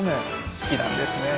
好きなんですねえ。